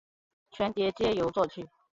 全碟皆由作曲。